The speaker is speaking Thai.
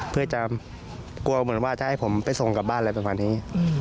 เพื่อจะกลัวเหมือนว่าจะให้ผมไปส่งกลับบ้านอะไรประมาณนี้